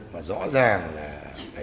mà rõ ràng là